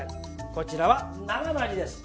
こちらは生のアジです。